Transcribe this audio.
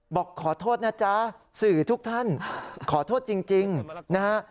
บอกขอโทษนะจ๊ะสื่อทุกท่านขอโทษจริงนะฮะ